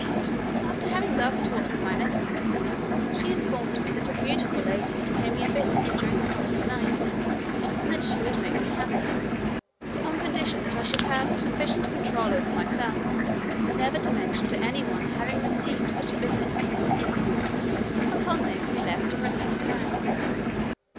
After having thus taught me my lesson, she informed me that a beautiful lady would pay me a visit during the following night, and that she would make me happy, on condition that I should have sufficient control over myself never to mention to anyone my having received such a visit. Upon this we left and returned home.